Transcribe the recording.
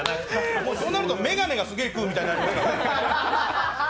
そうなると、眼鏡がすげぇ食うみたいになりますから。